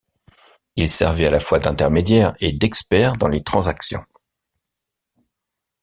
Il servait à la fois d’intermédiaire et d’expert dans les transactions.